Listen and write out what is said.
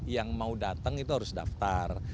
yang mau datang itu harus daftar